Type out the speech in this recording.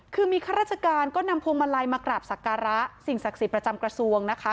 คือมีข้าราชการก็นำพวงมาลัยมากราบสักการะสิ่งศักดิ์สิทธิ์ประจำกระทรวงนะคะ